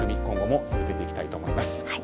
今後も続けていきたいと思います。